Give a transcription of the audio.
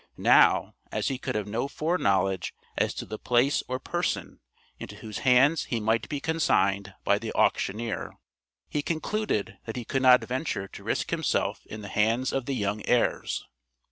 Now, as he could have no fore knowledge as to the place or person into whose hands he might be consigned by the auctioneer, he concluded that he could not venture to risk himself in the hands of the young heirs.